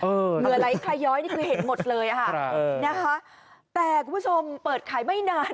เหมือนอะไรไขย้อยนี่คือเห็นหมดเลยนะคะแต่คุณผู้ชมเปิดขายไม่นาน